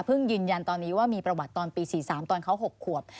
ยืนยันตอนนี้ว่ามีประวัติตอนปี๔๓ตอนเขา๖ขวบ